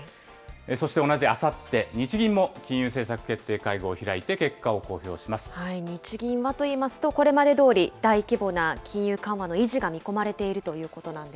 そして同じあさって、日銀も金融政策決定会合を開いて、結果を公日銀はといいますと、これまでどおり大規模な金融緩和の維持が見込まれているということなん